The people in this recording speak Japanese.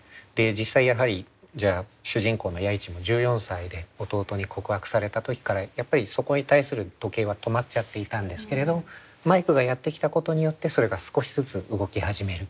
実際やはり主人公の弥一も１４歳で弟に告白された時からやっぱりそこに対する時計は止まっちゃっていたんですけれどマイクがやって来たことによってそれが少しずつ動き始める。